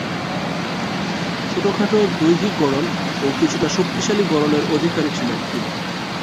ছোট-খাঁটো দৈহিক গড়ন ও কিছুটা শক্তিশালী গড়নের অধিকারী ছিলেন তিনি।